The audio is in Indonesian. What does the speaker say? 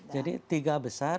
jadi tiga besar